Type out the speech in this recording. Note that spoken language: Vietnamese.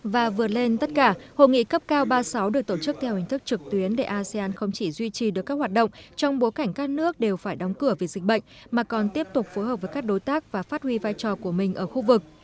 và vừa lên tất cả hội nghị cấp cao ba mươi sáu được tổ chức theo hình thức trực tuyến để asean không chỉ duy trì được các hoạt động trong bối cảnh các nước đều phải đóng cửa vì dịch bệnh mà còn tiếp tục phối hợp với các đối tác và phát huy vai trò của mình ở khu vực